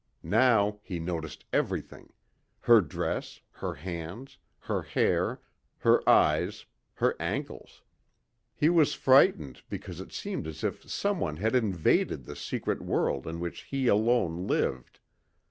Now he noticed everything ... her dress, her hands, her hair, her eyes, her ankles. He was frightened because it seemed as if someone had invaded the secret world in which he alone lived.